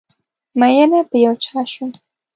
ميېنه په یو چا شم